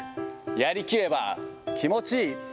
やりきれば気持ちいい。